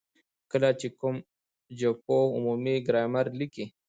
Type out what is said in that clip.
کله چي کوم ژبپوه عمومي ګرامر ليکي،